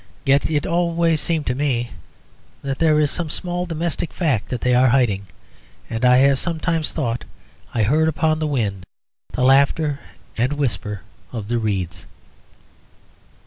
Yet it always seems to me that there is some small domestic fact that they are hiding, and I have sometimes thought I heard upon the wind the laughter and whisper of the reeds.